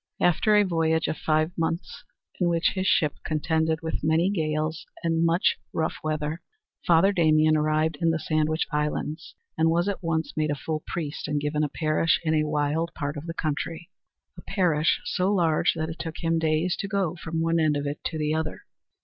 After a voyage of five months, in which his ship contended with many gales and much rough weather, Father Damien arrived in the Sandwich Islands and was at once made a full priest and given a parish in a wild part of the country a parish so large that it took him days to go from one end of it to the other.